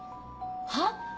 はっ！？